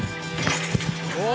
お！